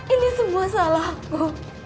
ini semua salah aku